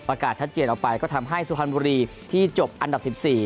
อากาศชัดเจนออกไปก็ทำให้สุพรรณบุรีที่จบอันดับ๑๔